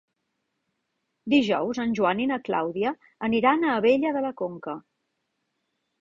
Dijous en Joan i na Clàudia aniran a Abella de la Conca.